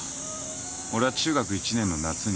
俺は中学１年の夏に目覚めて。